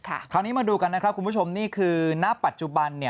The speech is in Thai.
คราวนี้มาดูกันนะครับคุณผู้ชมนี่คือณปัจจุบันเนี่ย